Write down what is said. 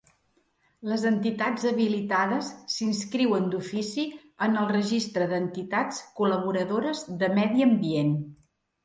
Les entitats habilitades s'inscriuen d'ofici en el Registre d'entitats col·laboradores de medi ambient.